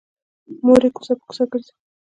مور یې کوڅه په کوڅه ګرځي